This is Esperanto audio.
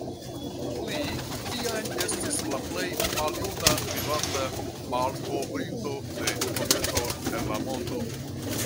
Li tiam estis la plej maljuna vivanta malkovrinto de kometo en la mondo.